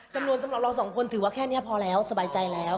สำหรับเราสองคนถือว่าแค่นี้พอแล้วสบายใจแล้ว